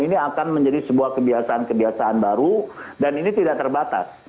ini akan menjadi sebuah kebiasaan kebiasaan baru dan ini tidak terbatas